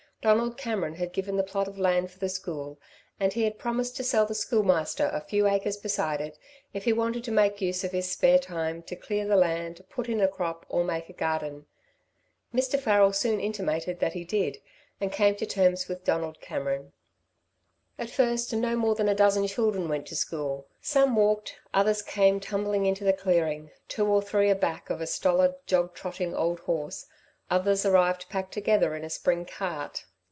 Donald Cameron had given the plot of land for the school and he had promised to sell the Schoolmaster a few acres beside it, if he wanted to make use of his spare time to clear the land, put in a crop, or make a garden. Mr Farrel soon intimated that he did, and came to terms with Donald Cameron. At first no more than a dozen children went to school. Some walked, others came tumbling into the clearing, two or three a back of a stolid, jog trotting, old horse, others arrived packed together in a spring cart.